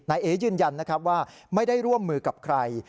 นายเอ๋ยืนยันว่าไม่ได้ร่วมมือกับใคร